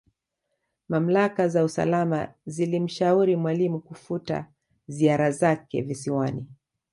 Mamlaka za usalama zilimshauri Mwalimu kufuta ziara zake Visiwani